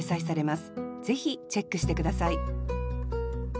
ぜひチェックして下さい